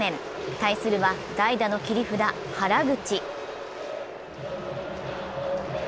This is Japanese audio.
対するは代打の切り札、原口。